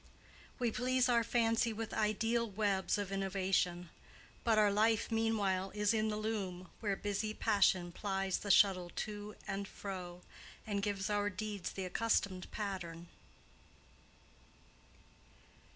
We please our fancy with ideal webs Of innovation, but our life meanwhile Is in the loom, where busy passion plies The shuttle to and fro, and gives our deeds The accustomed pattern.